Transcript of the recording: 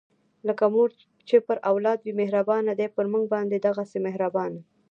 لکه مور چې پر اولاد وي مهربانه، دی پر مونږ باندې دغهسې مهربانه